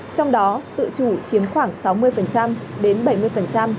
trong đó tự chủ chiếm khoảng sáu mươi đến bảy mươi